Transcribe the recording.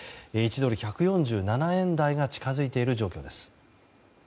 １ドル＝１４７円台が近づいている状況です。